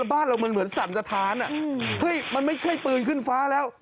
บ้านเรามันเหมือนสั่นสถานมันไม่ใช่ปืนขึ้นฟ้าแล้ว